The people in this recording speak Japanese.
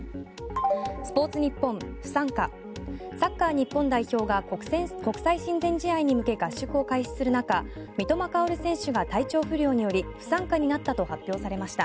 スポーツニッポン、不参加サッカー日本代表が国選国際親善試合に向け合宿を開始する中三笘薫選手が体調不良により不参加になったと発表されました。